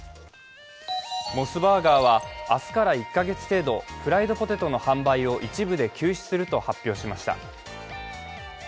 モスバーガーは、明日から１カ月程度フライドポテトの販売を一部で休止すると発表しました。